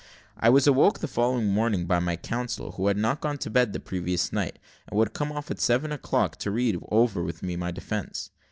I was awoke the following morning by my counsel, who had not gone to bed the previous night, and who had come off at seven o'clock to read over with me my defence.